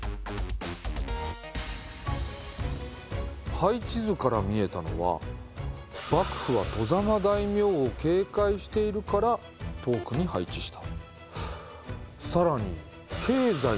配置図から見えたのは幕府は外様大名を警戒しているから遠くに配置した。